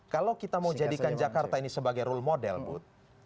kalau kita mau jadikan jakarta ini sebagai role model bud